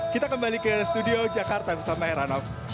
kita kembali ke studio jakarta bersama heranov